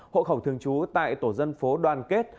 hộ khẩu thường trú tại tổ dân phố đoàn kết